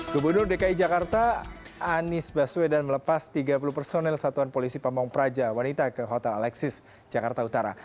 gubernur dki jakarta anies baswedan melepas tiga puluh personel satuan polisi pamung praja wanita ke hotel alexis jakarta utara